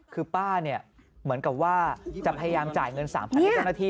คือป้าเนี่ยเหมือนกับว่ายังพยายามจ่ายเงิน๓พันเบาท้อนาที